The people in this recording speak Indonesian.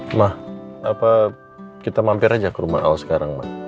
emang apa kita mampir aja ke rumah al sekarang mbak